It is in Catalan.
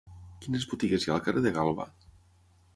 Quines botigues hi ha al carrer de Galba?